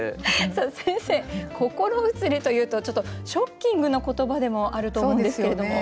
さあ先生心移りというとちょっとショッキングな言葉でもあると思うんですけれども。